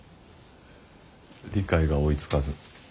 理解が追いつかず。